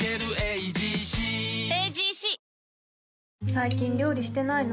最近料理してないの？